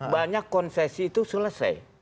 banyak konsesi itu selesai